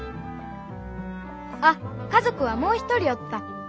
あっ家族はもう一人おった。